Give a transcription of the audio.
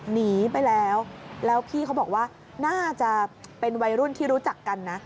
หนีไปแล้วแล้วพี่เขาบอกว่าน่าจะเป็นวัยรุ่นที่รู้จักกันนะ